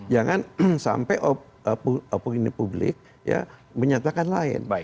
jangan sampai apalagi ini publik menyatakan lain